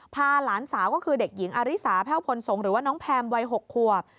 พาหลานสาวก็คือเด็กหญิงอาริสาแพ่วพลสงฆ์หรือว่าน้องแพมวัย๖ขวบ